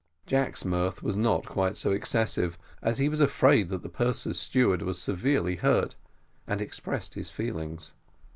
Jack's mirth was not quite so excessive, as he was afraid that the purser's steward was severely hurt, and expressed his fears.